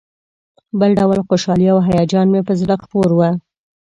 بل ډول خوشالي او هیجان مې پر زړه خپور و.